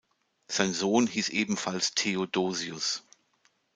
Sein Sohn hieß ebenfalls Theodosius.